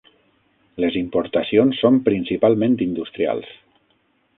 Les importacions són principalment industrials.